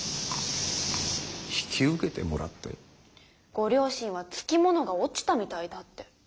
ご両親は「つきものが落ちたみたいだ」って。